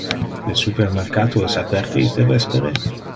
Le supermercato es aperte iste vespere?